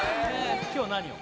今日は何を？